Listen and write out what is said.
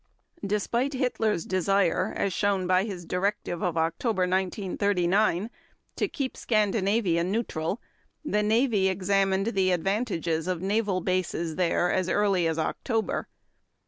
Despite Hitler's desire, as shown by his directive of October 1939 to keep Scandinavia neutral, the Navy examined the advantages of naval bases there as early as October.